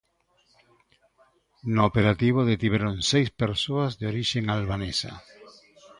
No operativo detiveron seis persoas de orixe albanesa.